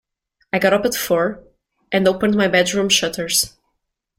I got up at four and opened my bedroom shutters.